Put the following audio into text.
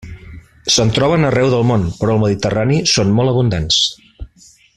Se'n troben arreu del món, però al mediterrani són molt abundants.